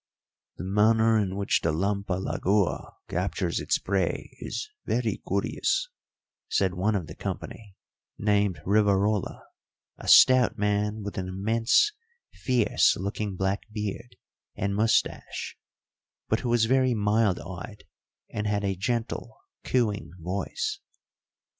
"The manner in which the lampalagua captures its prey is very curious," said one of the company, named Rivarola, a stout man with an immense, fierce looking black beard and moustache, but who was very mild eyed and had a gentle, cooing voice.